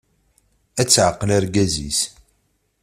Ad taεqel argaz-is.